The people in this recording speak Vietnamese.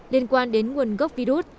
liên quan đến nguồn gốc virus